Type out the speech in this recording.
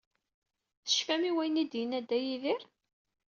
Tecfam i wayen i d-yenna Dda Yidir?